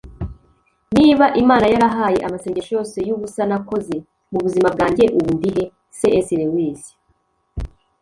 niba imana yarahaye amasengesho yose yubusa nakoze mu buzima bwanjye, ubu ndi he? - c s lewis